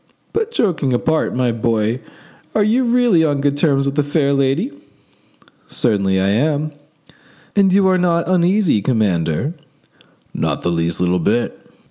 But joking apart, my boy, are you really on good terms with the fair lady?" "Certainly I am." "And you are not uneasy, commander?" "Not the least little bit."